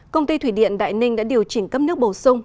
công ty thủy điện đại ninh đã điều chỉnh cấp nước bổ sung